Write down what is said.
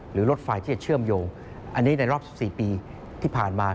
รถไฟที่จะเชื่อมโยงอันนี้ในรอบ๑๔ปีที่ผ่านมา